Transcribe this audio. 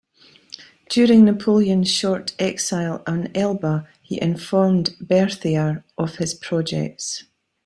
During Napoleon's short exile on Elba, he informed Berthier of his projects.